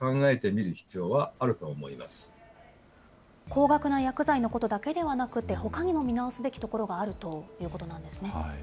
高額な薬剤のことだけではなくて、ほかにも見直すべきところがあるということなんですね。